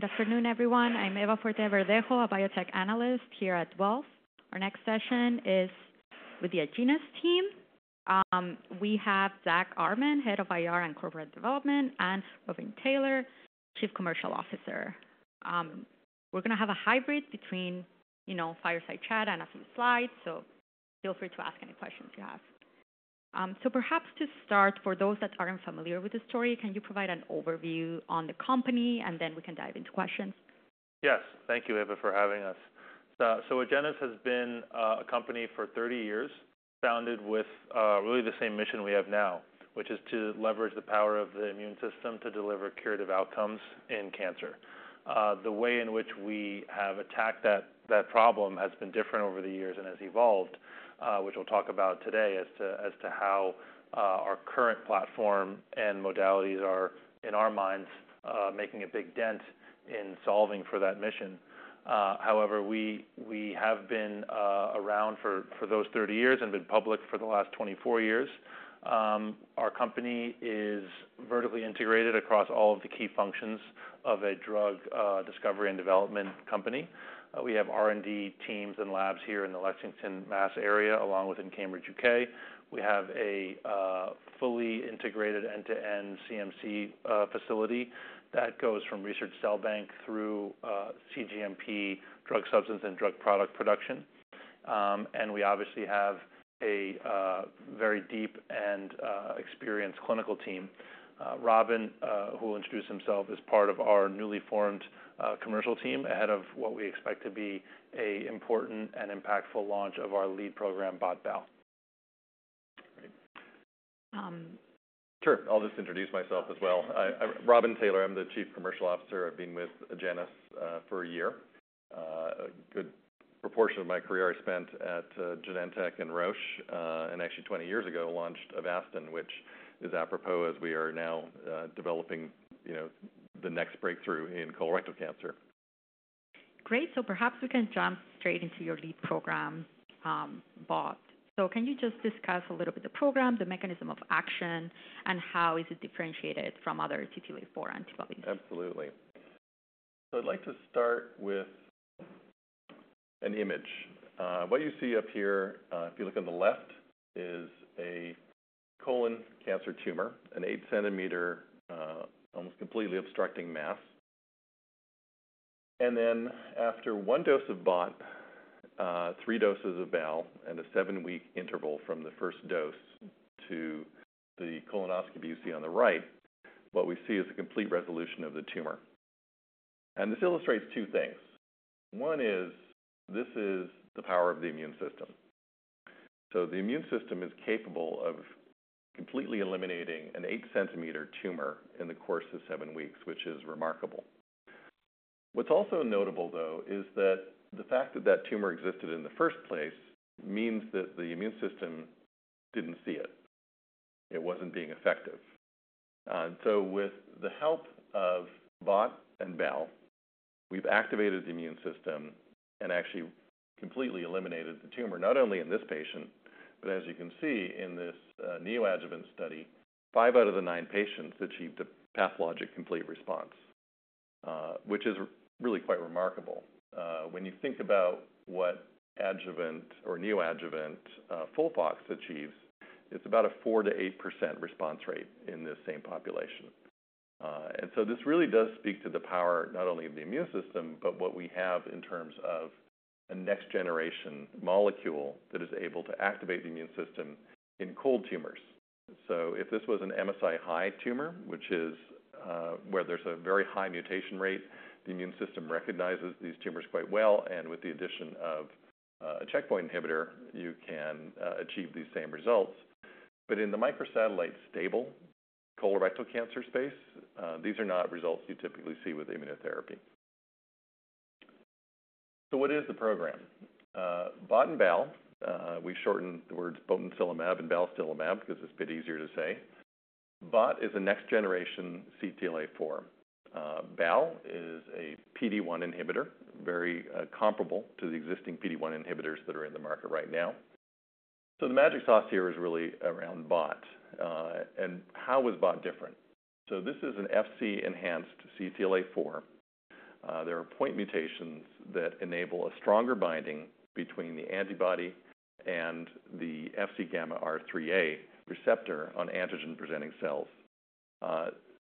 Good afternoon, everyone. I'm Eva Forte Verdejo, a biotech analyst here at Wells Fargo. Our next session is with the Agenus team. We have Zack Armen, Head of IR and Corporate Development, and Robin Taylor, Chief Commercial Officer. We're gonna have a hybrid between, you know, fireside chat and a few slides, so feel free to ask any questions you have. So perhaps to start, for those that aren't familiar with the story, can you provide an overview on the company, and then we can dive into questions? Yes. Thank you, Eva, for having us. So, Agenus has been a company for thirty years, founded with really the same mission we have now, which is to leverage the power of the immune system to deliver curative outcomes in cancer. The way in which we have attacked that problem has been different over the years and has evolved, which we'll talk about today as to how our current platform and modalities are, in our minds, making a big dent in solving for that mission. However, we have been around for those thirty years and been public for the last 24 years. Our company is vertically integrated across all of the key functions of a drug discovery and development company. We have R&D teams and labs here in the Lexington, Massachusetts area, along with in Cambridge, U.K. We have a fully integrated end-to-end CMC facility that goes from research cell bank through cGMP, drug substance and drug product production. We obviously have a very deep and experienced clinical team. Robin, who will introduce himself as part of our newly formed commercial team, ahead of what we expect to be a important and impactful launch of our lead program, BOT/BAL. Um... Sure, I'll just introduce myself as well. Robin Taylor, I'm the Chief Commercial Officer. I've been with Agenus for a year. A good proportion of my career I spent at Genentech and Roche, and actually twenty years ago, launched Avastin, which is apropos, as we are now developing, you know, the next breakthrough in colorectal cancer. Great. So perhaps we can jump straight into your lead program, BOT. So can you just discuss a little bit the program, the mechanism of action, and how is it differentiated from other CTLA-4 antibodies? Absolutely. So I'd like to start with an image. What you see up here, if you look on the left, is a colon cancer tumor, an eight-centimeter, almost completely obstructing mass. And then after one dose of BOT, three doses of BAL, and a seven-week interval from the first dose to the colonoscopy you see on the right, what we see is a complete resolution of the tumor. And this illustrates two things. One is, this is the power of the immune system. So the immune system is capable of completely eliminating an eight-centimeter tumor in the course of seven weeks, which is remarkable. What's also notable, though, is that the fact that that tumor existed in the first place means that the immune system didn't see it. It wasn't being effective. So with the help of BOT and BAL, we've activated the immune system and actually completely eliminated the tumor, not only in this patient, but as you can see in this neoadjuvant study, five out of the nine patients achieved a pathologic complete response, which is really quite remarkable. When you think about what adjuvant or neoadjuvant FOLFOX achieves, it's about a 4%-8% response rate in this same population. And so this really does speak to the power not only of the immune system, but what we have in terms of a next-generation molecule that is able to activate the immune system in cold tumors. So if this was an MSI-high tumor, which is where there's a very high mutation rate, the immune system recognizes these tumors quite well, and with the addition of a checkpoint inhibitor, you can achieve these same results. But in the microsatellite stable colorectal cancer space, these are not results you typically see with immunotherapy. So what is the program? BOT and BAL, we shorten the words botensilimab and balstilimab, because it's a bit easier to say. BOT is a next-generation CTLA-4. BAL is a PD-1 inhibitor, very comparable to the existing PD-1 inhibitors that are in the market right now. So the magic sauce here is really around BOT, and how is BOT different? So this is an Fc-enhanced CTLA-4. There are point mutations that enable a stronger binding between the antibody and the Fc gamma RIIIa receptor on antigen-presenting cells.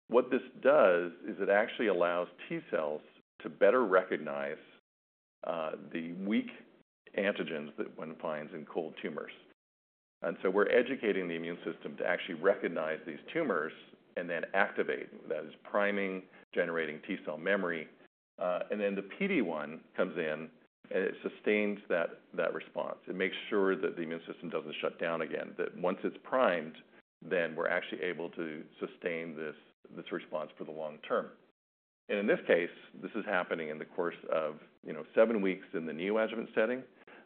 What this does is it actually allows T cells to better recognize the weak antigens that one finds in cold tumors. And so we're educating the immune system to actually recognize these tumors and then activate. That is priming, generating T cell memory. And then the PD-1 comes in, and it sustains that response. It makes sure that the immune system doesn't shut down again, that once it's primed, then we're actually able to sustain this response for the long term. In this case, this is happening in the course of, you know, seven weeks in the neoadjuvant setting,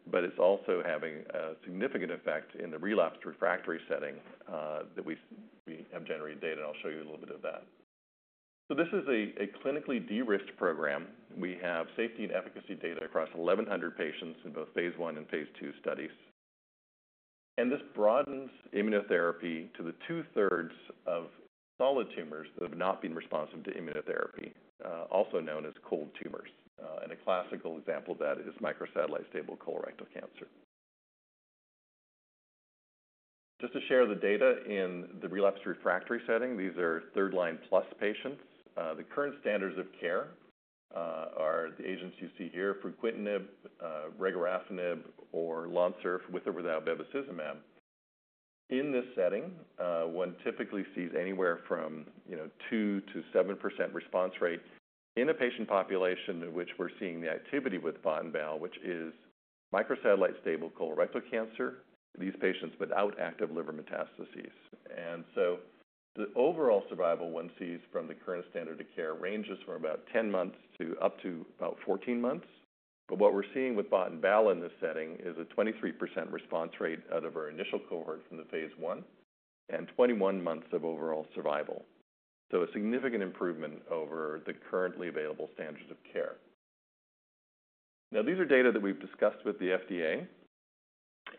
but it's also having a significant effect in the relapsed refractory setting, that we have generated data, and I'll show you a little bit of that. This is a clinically de-risked program. We have safety and efficacy data across eleven hundred patients in both phase I and phase II studies. This broadens immunotherapy to the two-thirds of solid tumors that have not been responsive to immunotherapy, also known as cold tumors. A classical example of that is microsatellite stable colorectal cancer. Just to share the data in the relapsed refractory setting, these are third line plus patients. The current standards of care are the agents you see here, fruquintinib, regorafenib or Lonsurf, with or without bevacizumab. In this setting, one typically sees anywhere from, you know, 2%-7% response rate in a patient population in which we're seeing the activity with BOT and BAL, which is microsatellite stable colorectal cancer, these patients without active liver metastases, and so the overall survival one sees from the current standard of care ranges from about 10 months to up to about 14 months, but what we're seeing with BOT and BAL in this setting is a 23% response rate out of our initial cohort from the phase I, and 21 months of overall survival, so a significant improvement over the currently available standards of care. Now, these are data that we've discussed with the FDA,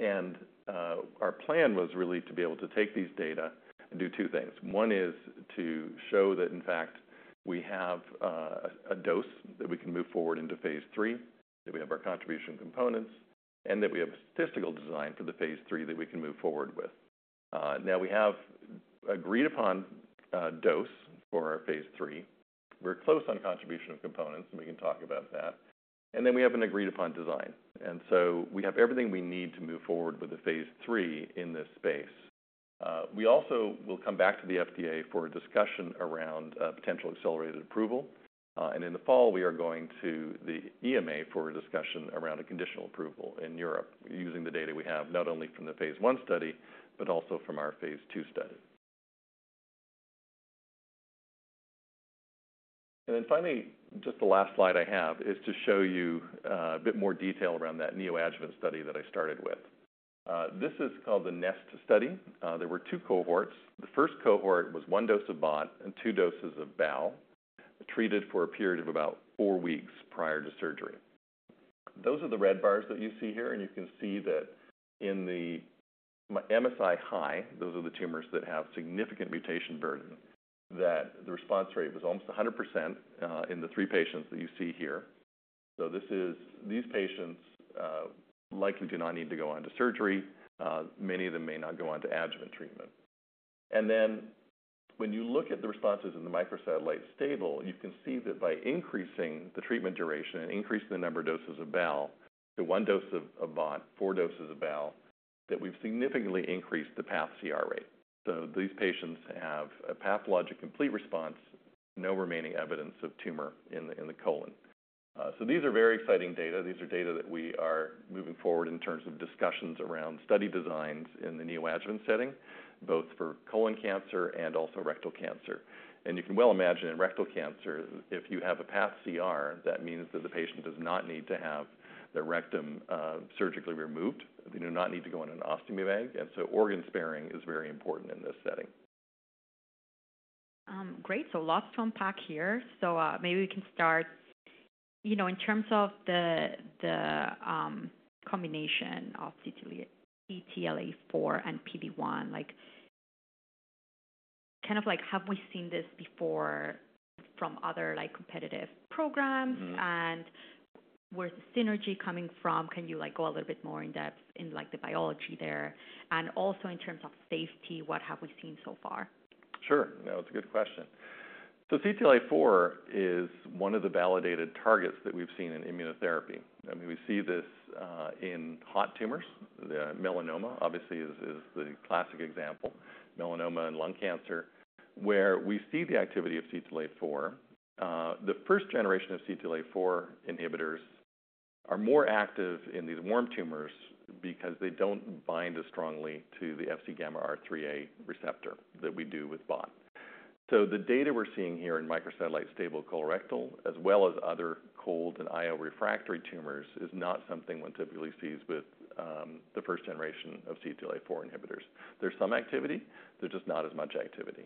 and our plan was really to be able to take these data and do two things. One is to show that in fact we have a dose that we can move forward into phase three, that we have our CMC components, and that we have a statistical design for the phase three that we can move forward with. Now we have agreed upon a dose for our phase three. We're close on CMC of components, and we can talk about that, and then we have an agreed upon design, and so we have everything we need to move forward with the phase three in this space. We also will come back to the FDA for a discussion around potential accelerated approval, and in the fall, we are going to the EMA for a discussion around a conditional approval in Europe, using the data we have, not only from the phase one study, but also from our phase two study. And then finally, just the last slide I have is to show you a bit more detail around that neoadjuvant study that I started with. This is called the NEST study. There were two cohorts. The first cohort was one dose of BOT and two doses of BAL, treated for a period of about four weeks prior to surgery. Those are the red bars that you see here, and you can see that in the MSI-high, those are the tumors that have significant mutation burden, that the response rate was almost 100%, in the three patients that you see here. So this is. These patients likely do not need to go on to surgery. Many of them may not go on to adjuvant treatment. Then when you look at the responses in the microsatellite stable, you can see that by increasing the treatment duration and increasing the number of doses of BAL to one dose of BOT, four doses of BAL, that we've significantly increased the pCR rate. These patients have a pathologic complete response, no remaining evidence of tumor in the colon. These are very exciting data. These are data that we are moving forward in terms of discussions around study designs in the neoadjuvant setting, both for colon cancer and also rectal cancer. You can well imagine in rectal cancer, if you have a pCR, that means that the patient does not need to have their rectum surgically removed. They do not need to go on an ostomy bag, and so organ sparing is very important in this setting. Great. So lots to unpack here. So, maybe we can start, you know, in terms of the combination of CTLA-4 and PD-1. Like, kind of like, have we seen this before from other, like, competitive programs? Mm-hmm. And where's the synergy coming from? Can you, like, go a little bit more in depth in, like, the biology there? And also in terms of safety, what have we seen so far? Sure. No, it's a good question. So CTLA-4 is one of the validated targets that we've seen in immunotherapy. I mean, we see this in hot tumors. The melanoma, obviously, is the classic example. Melanoma and lung cancer, where we see the activity of CTLA-4. The first generation of CTLA-4 inhibitors are more active in these warm tumors because they don't bind as strongly to the Fc gamma RIIIa receptor that we do with BOT. So the data we're seeing here in microsatellite stable colorectal, as well as other cold and IO refractory tumors, is not something one typically sees with the first generation of CTLA-4 inhibitors. There's some activity, there's just not as much activity.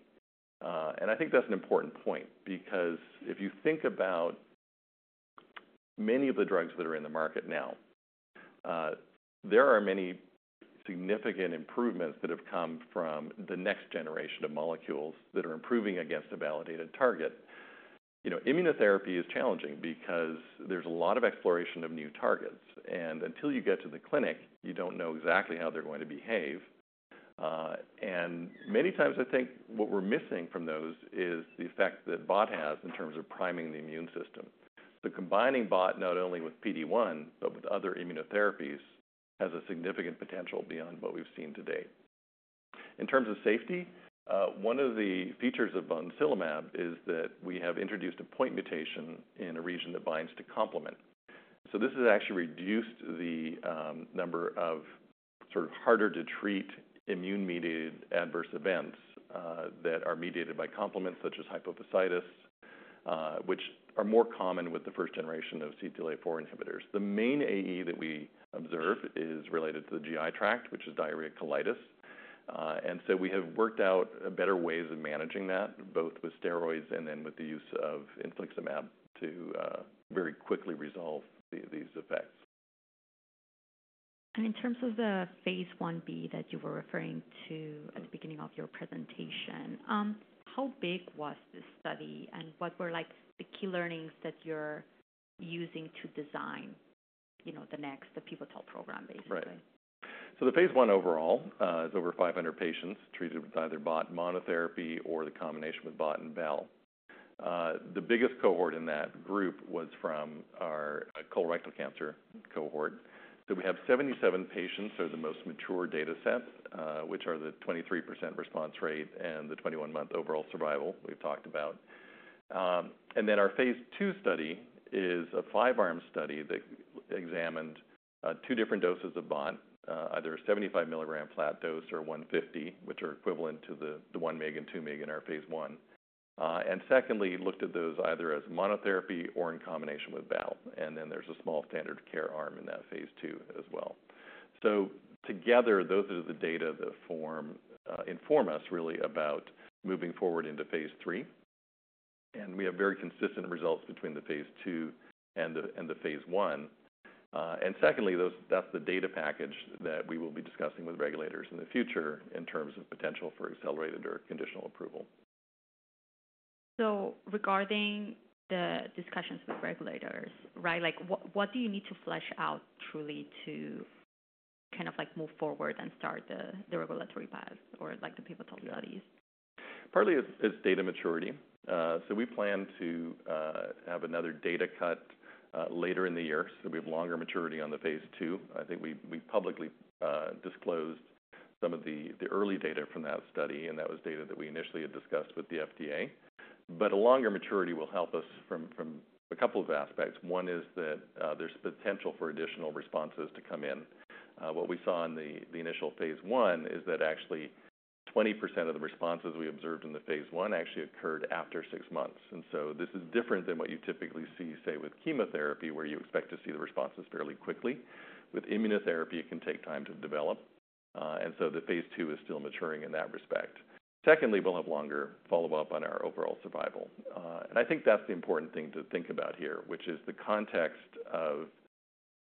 And I think that's an important point because if you think about many of the drugs that are in the market now, there are many significant improvements that have come from the next generation of molecules that are improving against a validated target. You know, immunotherapy is challenging because there's a lot of exploration of new targets, and until you get to the clinic, you don't know exactly how they're going to behave. And many times I think what we're missing from those is the effect that BOT has in terms of priming the immune system. So combining BOT not only with PD-1, but with other immunotherapies, has a significant potential beyond what we've seen to date. In terms of safety, one of the features of botensilimab is that we have introduced a point mutation in a region that binds to complement. So this has actually reduced the number of sort of harder to treat immune-mediated adverse events that are mediated by complements such as hypophysitis, which are more common with the first generation of CTLA-4 inhibitors. The main AE that we observe is related to the GI tract, which is diarrhea colitis.... And so we have worked out better ways of managing that, both with steroids and then with the use of infliximab to very quickly resolve these effects. In terms of the phase 1b that you were referring to at the beginning of your presentation, how big was this study and what were like the key learnings that you're using to design, you know, the next, the pivotal program, basically? Right. So the phase I overall is over 500 patients treated with either bot monotherapy or the combination with bot and bal. The biggest cohort in that group was from our colorectal cancer cohort. So we have 77 patients, so the most mature data sets, which are the 23% response rate and the 21-month overall survival we've talked about. And then our phase II study is a five-arm study that examined two different doses of bot, either a 75-milligram flat dose or 150, which are equivalent to the one mg and 2 mg in our phase I. And secondly, looked at those either as monotherapy or in combination with bal, and then there's a small standard of care arm in that phase II as well. Together, those are the data that form, inform us really about moving forward into phase III. We have very consistent results between the phase II and the phase I. Secondly, that's the data package that we will be discussing with regulators in the future in terms of potential for accelerated or conditional approval. Regarding the discussions with regulators, right? Like, what do you need to flesh out truly to kind of like move forward and start the regulatory path or like the pivotal studies? Yeah. Partly it's, it's data maturity. So we plan to have another data cut later in the year, so we have longer maturity on the phase II. I think we've publicly disclosed some of the early data from that study, and that was data that we initially had discussed with the FDA. But a longer maturity will help us from a couple of aspects. One is that there's potential for additional responses to come in. What we saw in the initial phase I is that actually 20% of the responses we observed in the phase I actually occurred after six months. And so this is different than what you typically see, say, with chemotherapy, where you expect to see the responses fairly quickly. With immunotherapy, it can take time to develop, and so the phase II is still maturing in that respect. Secondly, we'll have longer follow-up on our overall survival, and I think that's the important thing to think about here, which is the context of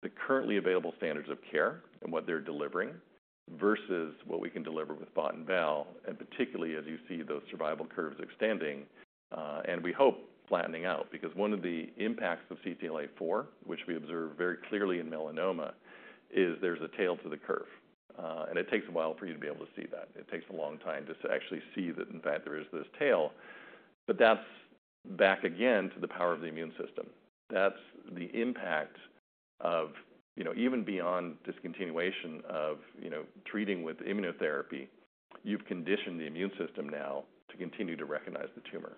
the currently available standards of care and what they're delivering versus what we can deliver with bot and bal, and particularly as you see those survival curves extending, and we hope flattening out. Because one of the impacts of CTLA-4, which we observe very clearly in melanoma, is there's a tail to the curve, and it takes a while for you to be able to see that. It takes a long time just to actually see that, in fact, there is this tail, but that's back again to the power of the immune system. That's the impact of, you know, even beyond discontinuation of, you know, treating with immunotherapy. You've conditioned the immune system now to continue to recognize the tumor.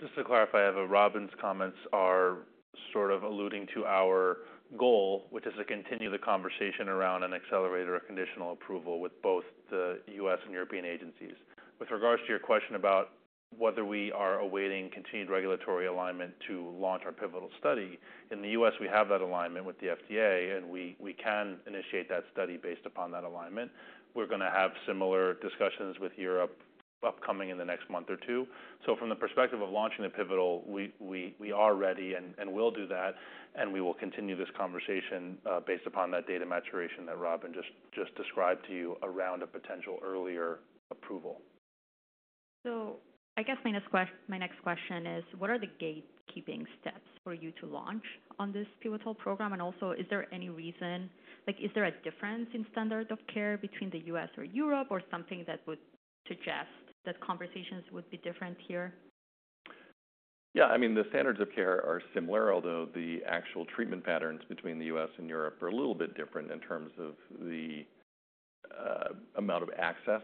Just to clarify, Eva, Robin's comments are sort of alluding to our goal, which is to continue the conversation around an accelerator or conditional approval with both the U.S. and European agencies. With regards to your question about whether we are awaiting continued regulatory alignment to launch our pivotal study, in the U.S., we have that alignment with the FDA, and we can initiate that study based upon that alignment. We're gonna have similar discussions with Europe upcoming in the next month or two. So from the perspective of launching the pivotal, we are ready and will do that, and we will continue this conversation based upon that data maturation that Robin just described to you around a potential earlier approval. I guess my next question is, what are the gatekeeping steps for you to launch on this pivotal program? Also, is there any reason... Like, is there a difference in standard of care between the U.S. or Europe, or something that would suggest that conversations would be different here? Yeah, I mean, the standards of care are similar, although the actual treatment patterns between the U.S. and Europe are a little bit different in terms of the amount of access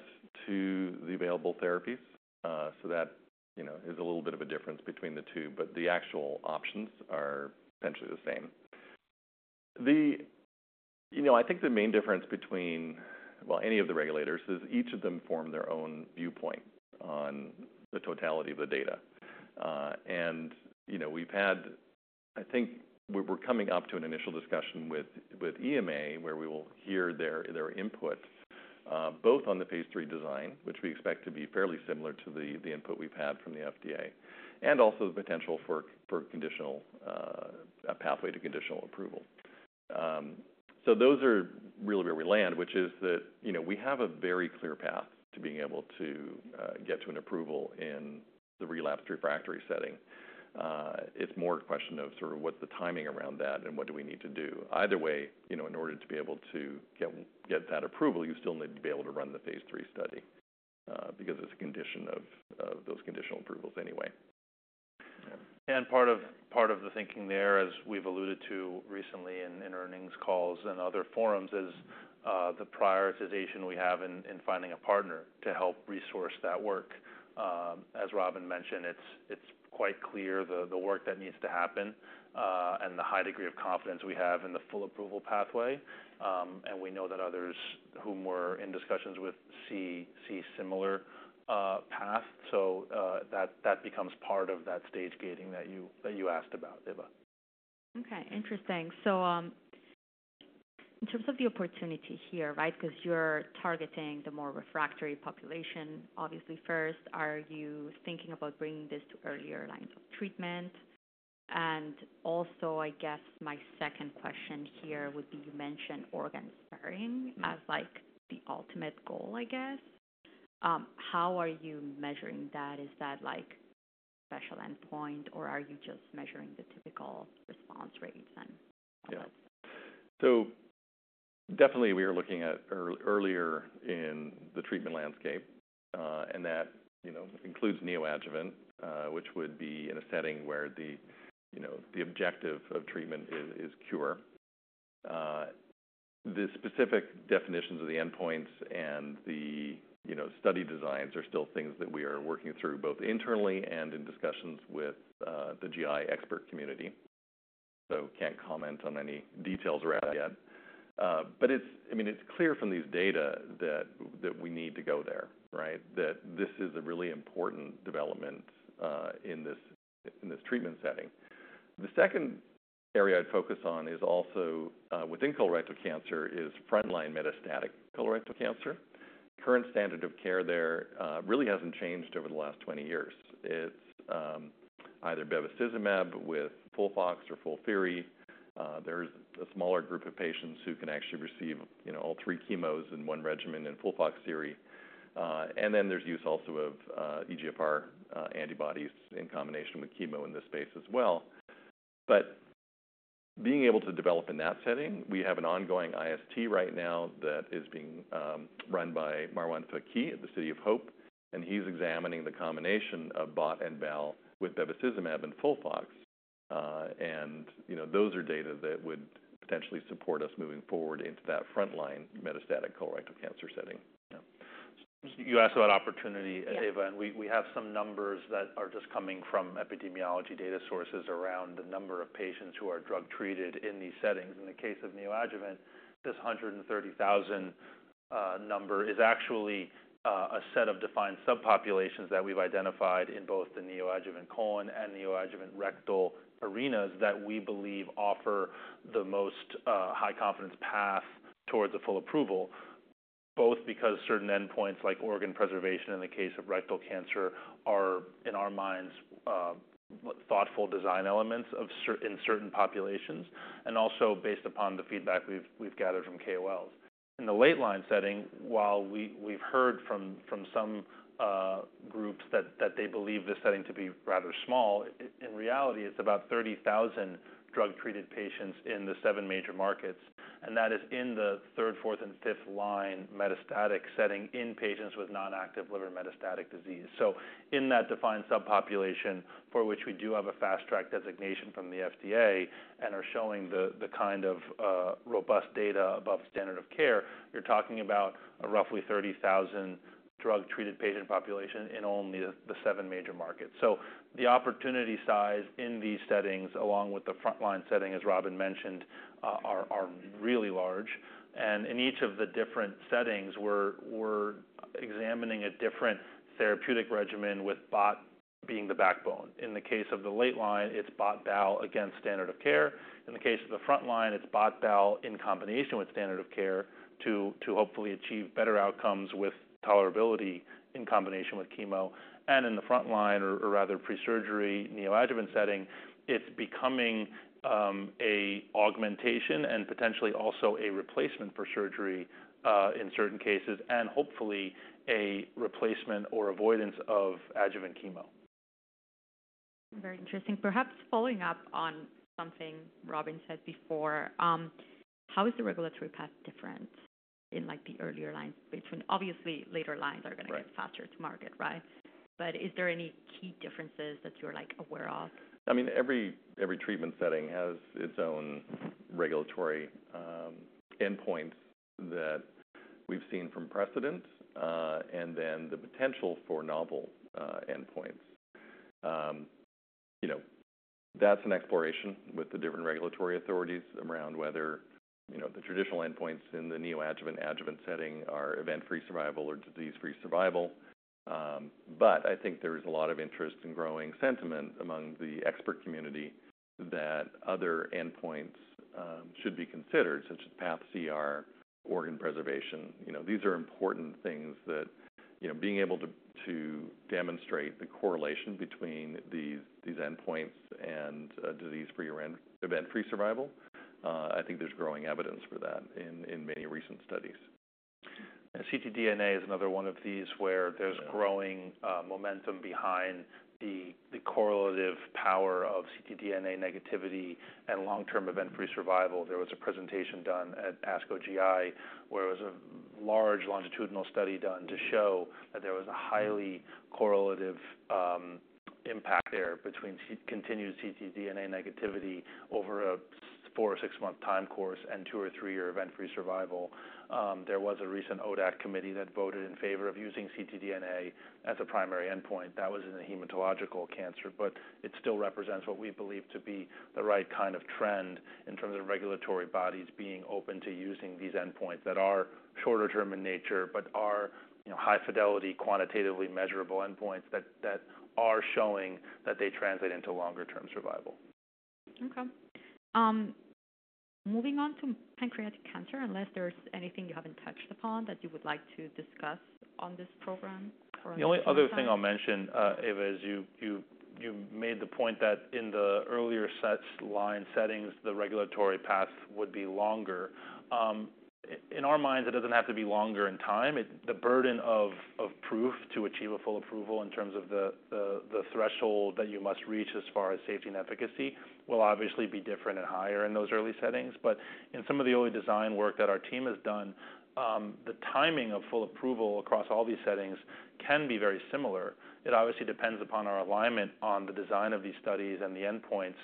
to the available therapies. So that, you know, is a little bit of a difference between the two, but the actual options are essentially the same. You know, I think the main difference between, well, any of the regulators, is each of them form their own viewpoint on the totality of the data. And, you know, we've had. I think we're coming up to an initial discussion with EMA, where we will hear their input, both on the phase III design, which we expect to be fairly similar to the input we've had from the FDA, and also the potential for conditional, a pathway to conditional approval. So those are really where we land, which is that, you know, we have a very clear path to being able to get to an approval in the relapsed refractory setting. It's more a question of sort of what's the timing around that and what do we need to do. Either way, you know, in order to be able to get that approval, you still need to be able to run the phase III study, because it's a condition of those conditional approvals anyway. And part of the thinking there, as we've alluded to recently in earnings calls and other forums, is the prioritization we have in finding a partner to help resource that work. As Robin mentioned, it's quite clear the work that needs to happen and the high degree of confidence we have in the full approval pathway. And we know that others whom we're in discussions with see similar path. So that becomes part of that stage gating that you asked about, Eva.... Okay, interesting. So, in terms of the opportunity here, right? Because you're targeting the more refractory population, obviously, first, are you thinking about bringing this to earlier lines of treatment? And also, I guess my second question here would be, you mentioned organ sparing- Mm-hmm. -as like the ultimate goal, I guess. How are you measuring that? Is that like special endpoint, or are you just measuring the typical response rates then? Yeah. So definitely we are looking at earlier in the treatment landscape, and that, you know, includes neoadjuvant, which would be in a setting where the, you know, the objective of treatment is cure. The specific definitions of the endpoints and the, you know, study designs are still things that we are working through, both internally and in discussions with the GI expert community. So can't comment on any details around that yet. But it's, I mean, it's clear from these data that we need to go there, right? That this is a really important development in this treatment setting. The second area I'd focus on is also within colorectal cancer, is frontline metastatic colorectal cancer. Current standard of care there really hasn't changed over the last twenty years. It's either bevacizumab with FOLFOX or FOLFIRI. There's a smaller group of patients who can actually receive, you know, all three chemos in one regimen in FOLFOXIRI, and then there's use also of EGFR antibodies in combination with chemo in this space as well, but being able to develop in that setting, we have an ongoing IST right now that is being run by Marwan Fakih at the City of Hope, and he's examining the combination of BOT and BAL with bevacizumab and FOLFOX, and, you know, those are data that would potentially support us moving forward into that frontline metastatic colorectal cancer setting. Yeah. You asked about opportunity, Eva. Yeah. And we have some numbers that are just coming from epidemiology data sources around the number of patients who are drug-treated in these settings. In the case of neoadjuvant, this hundred and thirty thousand number is actually a set of defined subpopulations that we've identified in both the neoadjuvant colon and neoadjuvant rectal arenas, that we believe offer the most high-confidence path towards a full approval. Both because certain endpoints, like organ preservation in the case of rectal cancer, are, in our minds, thoughtful design elements in certain populations, and also based upon the feedback we've gathered from KOLs. In the late line setting, while we've heard from some groups that they believe this setting to be rather small, in reality, it's about 30,000 drug-treated patients in the seven major markets, and that is in the third, fourth, and fifth line metastatic setting in patients with non-active liver metastatic disease. So in that defined subpopulation, for which we do have a Fast Track designation from the FDA and are showing the kind of robust data above standard of care, you're talking about a roughly 30,000 drug-treated patient population in only the seven major markets. So the opportunity size in these settings, along with the frontline setting, as Robin mentioned, are really large. And in each of the different settings, we're examining a different therapeutic regimen with BOT being the backbone. In the case of the late line, it's BOT BAL against standard of care. In the case of the frontline, it's BOT BAL in combination with standard of care, to hopefully achieve better outcomes with tolerability in combination with chemo. And in the frontline, or rather pre-surgery neoadjuvant setting, it's becoming a augmentation and potentially also a replacement for surgery, in certain cases, and hopefully a replacement or avoidance of adjuvant chemo. Very interesting. Perhaps following up on something Robin said before, how is the regulatory path different in, like, the earlier lines? Between... Obviously, later lines are gonna- Right. Get faster to market, right? But is there any key differences that you're, like, aware of? I mean, every treatment setting has its own regulatory endpoint that we've seen from precedent, and then the potential for novel endpoints. You know, that's an exploration with the different regulatory authorities around whether the traditional endpoints in the neoadjuvant/adjuvant setting are event-free survival or disease-free survival. But I think there is a lot of interest and growing sentiment among the expert community that other endpoints should be considered, such as pCR, organ preservation. You know, these are important things that, you know, being able to demonstrate the correlation between these endpoints and disease-free or event-free survival, I think there's growing evidence for that in many recent studies. And ctDNA is another one of these, where there's- Yeah... growing momentum behind the correlative power of ctDNA negativity and long-term event-free survival. There was a presentation done at ASCO GI, where it was a large longitudinal study done to show that there was a highly correlative impact there between continued ctDNA negativity over a four- or six-month time course and two- or three-year event-free survival. There was a recent ODAC committee that voted in favor of using ctDNA as a primary endpoint. That was in a hematologic cancer, but it still represents what we believe to be the right kind of trend in terms of regulatory bodies being open to using these endpoints that are shorter term in nature, but are, you know, high fidelity, quantitatively measurable endpoints that are showing that they translate into longer term survival. Okay. Moving on to pancreatic cancer, unless there's anything you haven't touched upon that you would like to discuss on this program or- The only other thing I'll mention, Eva, is you made the point that in the earlier settings, the regulatory path would be longer. In our minds, it doesn't have to be longer in time. The burden of proof to achieve a full approval in terms of the threshold that you must reach as far as safety and efficacy will obviously be different and higher in those early settings. But in some of the early design work that our team has done, the timing of full approval across all these settings can be very similar. It obviously depends upon our alignment on the design of these studies and the endpoints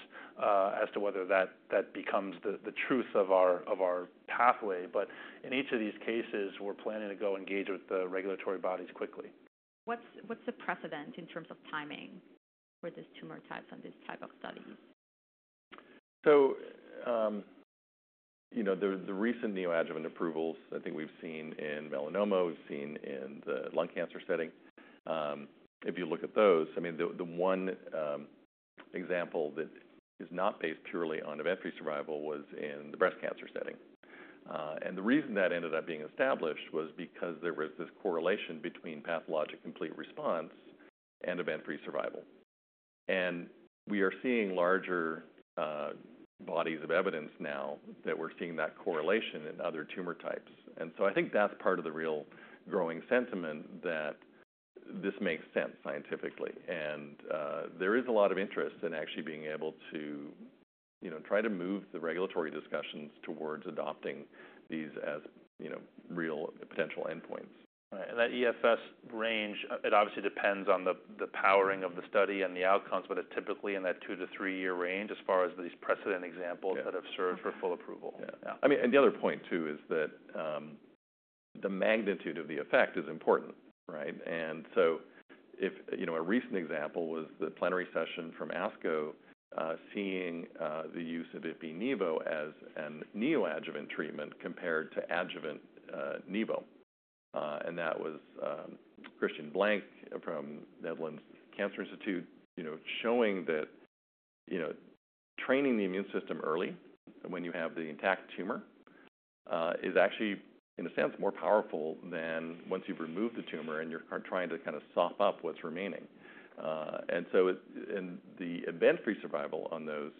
as to whether that becomes the truth of our pathway. But in each of these cases, we're planning to go engage with the regulatory bodies quickly. What's the precedent in terms of timing for these tumor types and these type of studies? So, you know, the recent neoadjuvant approvals, I think we've seen in melanoma, we've seen in the lung cancer setting. If you look at those, I mean, the one example that is not based purely on event-free survival was in the breast cancer setting. And the reason that ended up being established was because there was this correlation between pathologic complete response and event-free survival. And we are seeing larger bodies of evidence now that we're seeing that correlation in other tumor types. And so I think that's part of the real growing sentiment that this makes sense scientifically. And there is a lot of interest in actually being able to, you know, try to move the regulatory discussions towards adopting these as, you know, real potential endpoints. Right. And that EFS range, it obviously depends on the powering of the study and the outcomes, but it's typically in that two- to three-year range as far as these precedent examples- Yeah... that have served for full approval. Yeah. Yeah. I mean, and the other point, too, is that, the magnitude of the effect is important, right? And so You know, a recent example was the plenary session from ASCO, seeing, the use of ipi-nivo as a neoadjuvant treatment compared to adjuvant, nivo. And that was, Christian Blank from Netherlands Cancer Institute, you know, showing that, you know, training the immune system early when you have the intact tumor, is actually, in a sense, more powerful than once you've removed the tumor and you're trying to kind of soften up what's remaining. And so and the event-free survival on those,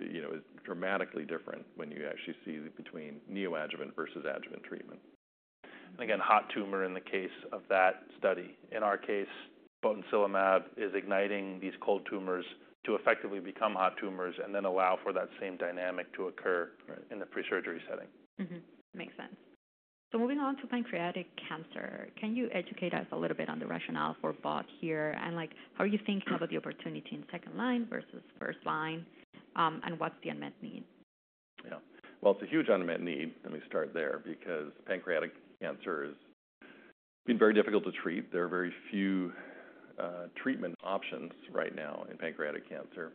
you know, is dramatically different when you actually see between neoadjuvant versus adjuvant treatment. And again, hot tumor in the case of that study. In our case, botensilimab is igniting these cold tumors to effectively become hot tumors and then allow for that same dynamic to occur- Right... in the pre-surgery setting. Mm-hmm. Makes sense. So moving on to pancreatic cancer, can you educate us a little bit on the rationale for BOT here? And, like, how are you thinking about the opportunity in second line versus first line, and what's the unmet need? Yeah. It's a huge unmet need, let me start there, because pancreatic cancer has been very difficult to treat. There are very few treatment options right now in pancreatic cancer.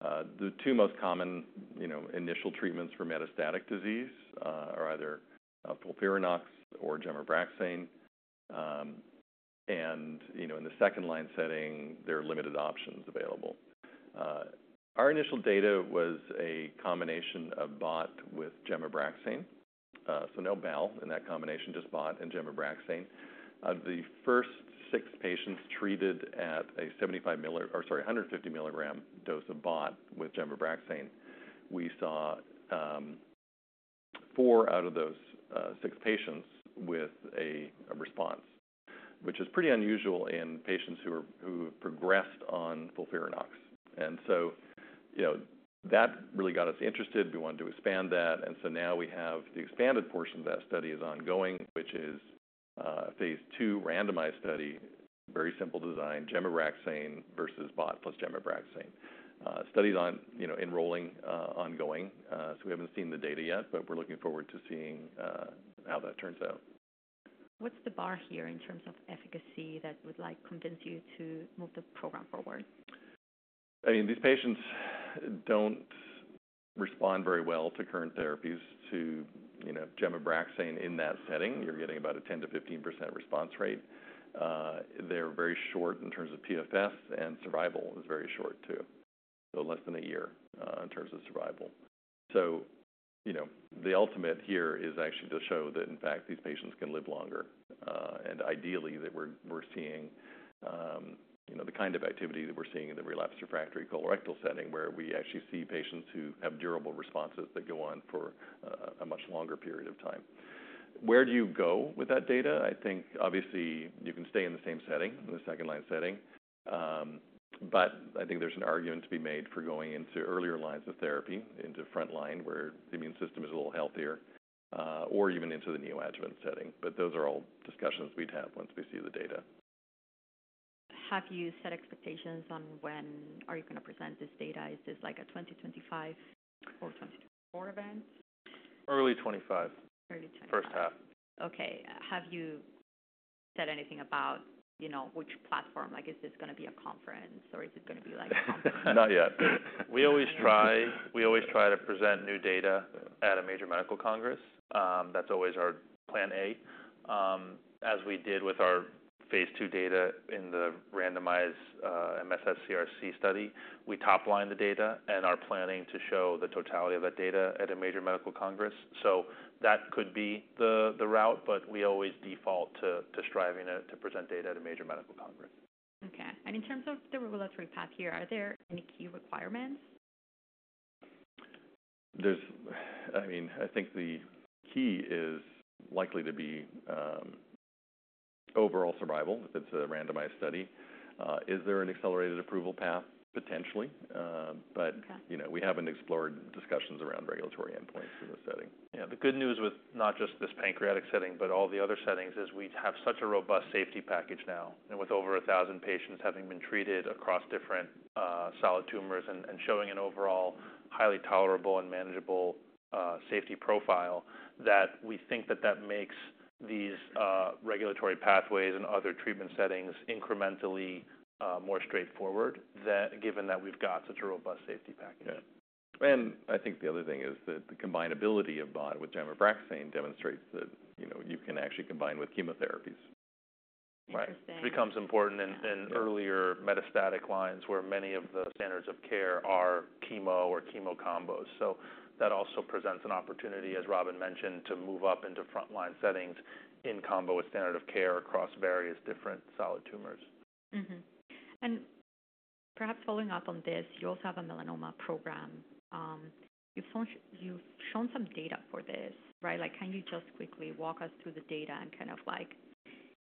The two most common, you know, initial treatments for metastatic disease are either Folfirinox or gemcitabine. And, you know, in the second-line setting, there are limited options available. Our initial data was a combination of BOT with gemcitabine. So no BAL in that combination, just BOT and gemcitabine. Of the first six patients treated at a 150 milligram dose of BOT with gemcitabine, we saw four out of those six patients with a response, which is pretty unusual in patients who have progressed on Folfirinox. And so, you know, that really got us interested. We wanted to expand that, and so now we have the expanded portion of that study is ongoing, which is a phase II randomized study, very simple design, gemcitabine versus BOT plus gemcitabine. Study's on, you know, enrolling, ongoing, so we haven't seen the data yet, but we're looking forward to seeing how that turns out. What's the bar here in terms of efficacy that would, like, convince you to move the program forward? I mean, these patients don't respond very well to current therapies to, you know, gemcitabine in that setting. You're getting about a 10-15% response rate. They're very short in terms of PFS, and survival is very short too, so less than a year in terms of survival. So, you know, the ultimate here is actually to show that, in fact, these patients can live longer, and ideally, that we're seeing, you know, the kind of activity that we're seeing in the relapsed refractory colorectal setting, where we actually see patients who have durable responses that go on for a much longer period of time. Where do you go with that data? I think obviously you can stay in the same setting, in the second line setting, but I think there's an argument to be made for going into earlier lines of therapy, into frontline, where the immune system is a little healthier, or even into the neoadjuvant setting. But those are all discussions we'd have once we see the data. Have you set expectations on when are you gonna present this data? Is this like a 2025 or 2024 event? Early 2025. Early 2025. H1. Okay. Have you said anything about, you know, which platform? Like, is this gonna be a conference, or is it gonna be, like, a conference? Not yet. We always try, we always try to present new data at a major medical congress. That's always our plan A, as we did with our phase II data in the randomized MSSCRC study. We top-line the data and are planning to show the totality of that data at a major medical congress. So that could be the route, but we always default to striving to present data at a major medical congress. Okay. And in terms of the regulatory path here, are there any key requirements? There's. I mean, I think the key is likely to be overall survival if it's a randomized study. Is there an accelerated approval path? Potentially. But- Okay. You know, we haven't explored discussions around regulatory endpoints in this setting. Yeah, the good news with not just this pancreatic setting, but all the other settings, is we have such a robust safety package now, and with over a thousand patients having been treated across different, solid tumors and showing an overall highly tolerable and manageable, safety profile, that we think that that makes these, regulatory pathways and other treatment settings incrementally, more straightforward, that given that we've got such a robust safety package. Yeah, and I think the other thing is that the combinability of BOT with gemcitabine demonstrates that, you know, you can actually combine with chemotherapies. Interesting. Becomes important in earlier metastatic lines, where many of the standards of care are chemo or chemo combos. So that also presents an opportunity, as Robin mentioned, to move up into frontline settings in combo with standard of care across various different solid tumors. Mm-hmm. And perhaps following up on this, you also have a melanoma program. You've shown some data for this, right? Like, can you just quickly walk us through the data and kind of like,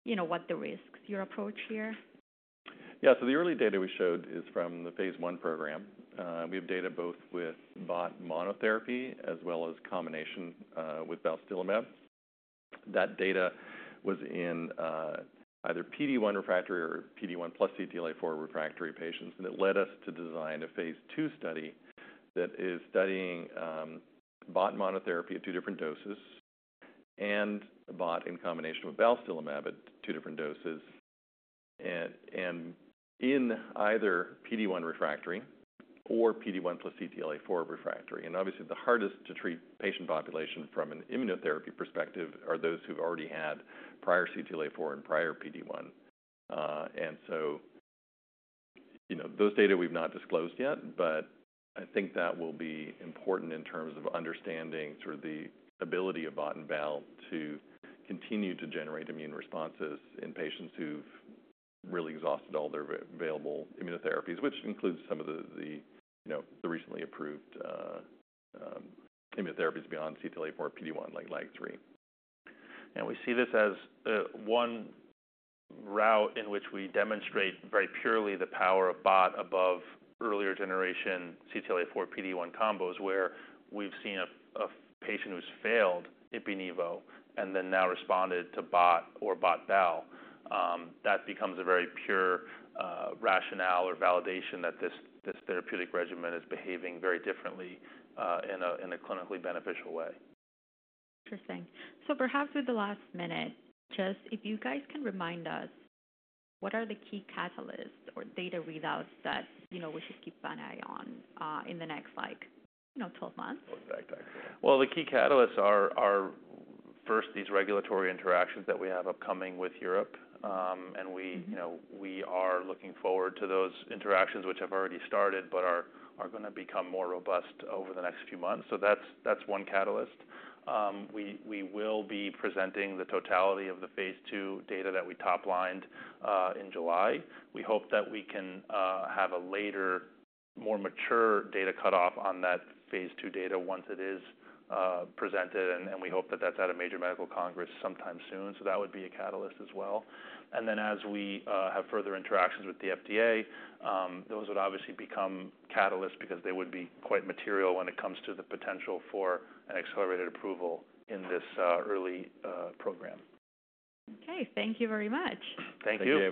you know, what the risks, your approach here? Yeah. So the early data we showed is from the phase one program. We have data both with BOT monotherapy as well as combination with balstilimab. That data was in either PD-1 refractory or PD-1 plus CTLA-4 refractory patients, and it led us to design a phase two study that is studying BOT monotherapy at two different doses and BOT in combination with balstilimab at two different doses, and in either PD-1 refractory or PD-1 plus CTLA-4 refractory, and obviously, the hardest to treat patient population from an immunotherapy perspective are those who've already had prior CTLA-4 and prior PD-1. You know, those data we've not disclosed yet, but I think that will be important in terms of understanding sort of the ability of BOT and BAL to continue to generate immune responses in patients who've really exhausted all their available immunotherapies, which includes some of the, you know, the recently approved immunotherapies beyond CTLA-4 PD-1, like LAG-3. We see this as one route in which we demonstrate very purely the power of BOT above earlier generation CTLA-4 PD-1 combos, where we've seen a patient who's failed ipi-nivo and then now responded to BOT or BOT/bal. That becomes a very pure rationale or validation that this therapeutic regimen is behaving very differently in a clinically beneficial way. Interesting. So perhaps with the last minute, just if you guys can remind us, what are the key catalysts or data readouts that, you know, we should keep an eye on, in the next, like, you know, twelve months? Look back, actually. The key catalysts are first, these regulatory interactions that we have upcoming with Europe, and we- Mm-hmm... you know, we are looking forward to those interactions which have already started but are gonna become more robust over the next few months. So that's one catalyst. We will be presenting the totality of the phase two data that we top-lined in July. We hope that we can have a later, more mature data cutoff on that phase two data once it is presented, and we hope that that's at a major medical congress sometime soon. So that would be a catalyst as well. And then as we have further interactions with the FDA, those would obviously become catalysts because they would be quite material when it comes to the potential for an accelerated approval in this early program. Okay. Thank you very much. Thank you.